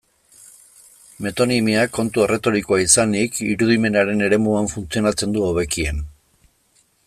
Metonimiak, kontu erretorikoa izanik, irudimenaren eremuan funtzionatzen du hobekien.